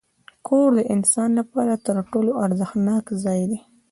کور د انسان لپاره تر ټولو ارزښتناک ځای دی.